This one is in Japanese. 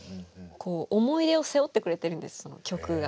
思い出を背負ってくれてるんです曲が。